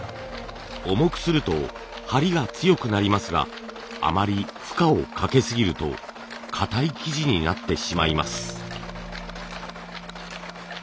重くすると張りが強くなりますがあまり負荷をかけすぎるとかたい生地になってしまいます。